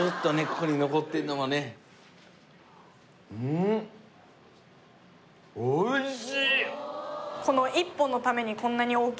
ここに残ってんのもねうんおいしいねえ